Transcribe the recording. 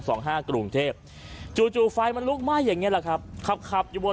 สองห้ากรุงเทพจู่จู่ไฟมันลุกไหม้อย่างเงี้แหละครับขับขับอยู่บน